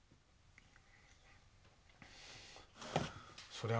そりゃあ